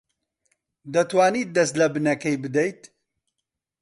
دەتوانیت دەست لە بنەکەی بدەیت؟